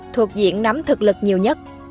thuộc diện nắm thực lực nhiều nhất